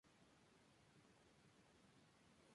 H. Gentry.